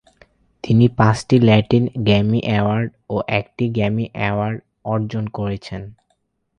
তিনি পাঁচটি Latin Grammy award ও একটি গ্র্যামি এওয়ার্ড অর্জন করেছেন।